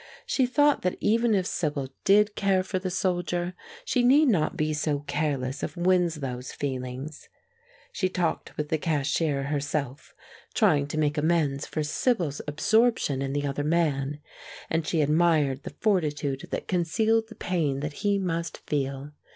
She thought that even if Sibyl did care for the soldier, she need not be so careless of Winslow's feelings. She talked with the cashier herself, trying to make amends for Sibyl's absorption in the other man, and she admired the fortitude that concealed the pain that he must feel.